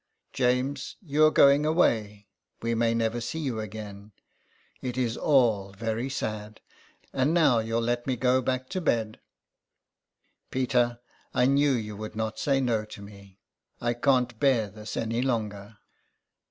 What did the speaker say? James, you're going away; we may never see you again. It is all very sad. And now you'll let me go back to bed." 136 THE EXILE. " Peter, I knew you would not say no to me ; I can't bear this any longer."